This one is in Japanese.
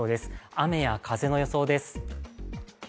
雨や風の予想です。